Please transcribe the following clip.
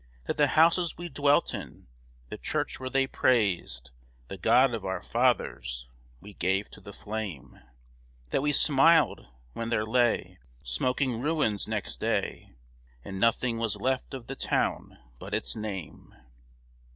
That the houses we dwelt in, the church where they praised The God of our Fathers, we gave to the flame? That we smiled when there lay Smoking ruins next day, And nothing was left of the town but its name?